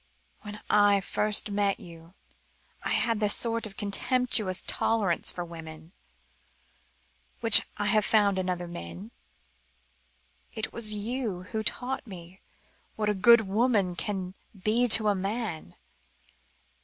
When I first met you, I had the sort of contemptuous tolerance for women, which I had found in other men. It was you who taught me what a good woman can be to a man.